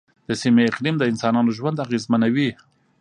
د سیمې اقلیم د انسانانو ژوند اغېزمنوي.